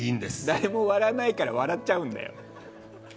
誰も笑わないから笑っちゃうんだよ。